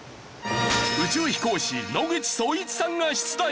宇宙飛行士野口聡一さんが出題！